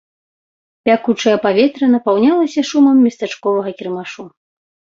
Пякучае паветра напаўнялася шумам местачковага кірмашу.